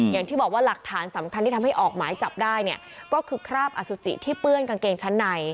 อย่างที่บอกว่าหลักฐานสำคัญที่ทำให้ออกหมายจับได้เนี่ยก็คือคราบอสุจิที่เปื้อนกางเกงชั้นใน